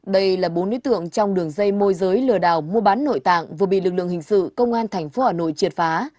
đây là bốn đối tượng trong đường dây môi giới lừa đảo mua bán nội tạng vừa bị lực lượng hình sự công an tp hà nội triệt phá